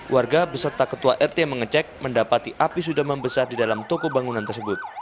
warga beserta ketua rt mengecek mendapati api sudah membesar di dalam toko bangunan tersebut